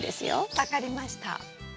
分かりました。